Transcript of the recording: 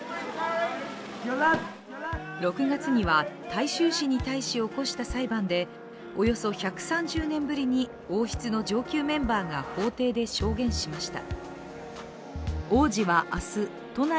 ６月には大衆紙に対し起こした裁判で、およそ１３０年ぶりに王室の上級メンバーが法廷で証言しました。